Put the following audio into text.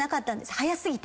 早過ぎて。